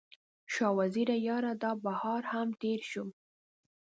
شاه وزیره یاره، دا بهار هم تیر شو